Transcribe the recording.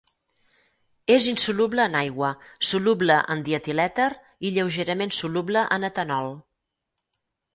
És insoluble en aigua, soluble en dietilèter i lleugerament soluble en etanol.